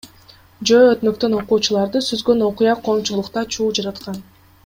Жөө өтмөктөн окуучуларды сүзгөн окуя коомчулукта чуу жараткан.